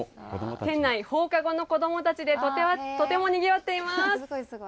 店内、放課後の子どもたちでとてもにぎわっています。